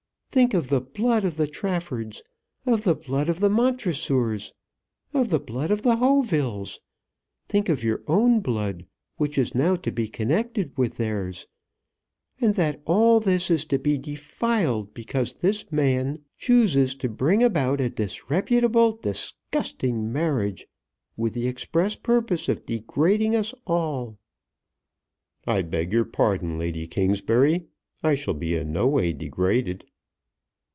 Think of the blood of the Traffords, of the blood of the Mountressors, of the blood of the Hautevilles; think of your own blood, which is now to be connected with theirs, and that all this is to be defiled because this man chooses to bring about a disreputable, disgusting marriage with the expressed purpose of degrading us all." "I beg your pardon, Lady Kingsbury; I shall be in no way degraded."